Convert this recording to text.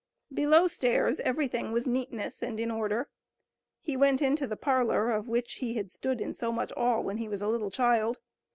Below stairs everything was neatness and in order. He went into the parlor, of which he had stood in so much awe, when he was a little child.